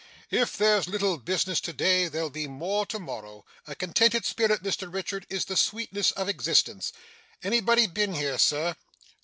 If there's little business to day, there'll be more to morrow. A contented spirit, Mr Richard, is the sweetness of existence. Anybody been here, sir?